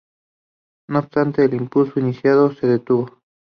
No obstante el impulso iniciado no se detuvo.